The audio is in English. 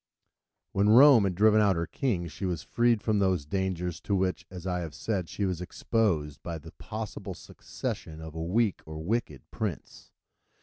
When Rome had driven out her kings, she was freed from those dangers to which, as I have said, she was exposed by the possible succession of a weak or wicked prince.